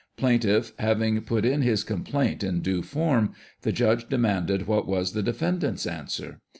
Plaintiff having put in his complaint in due form, the judge demanded what was the defendant's answer.